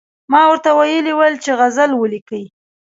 ما ورته ویلي ول چې غزل ولیکئ.